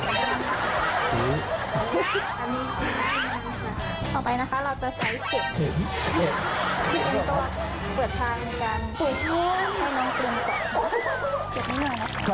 อันนี้ชิ้นได้นิดหนึ่งค่ะ